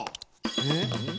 えっ？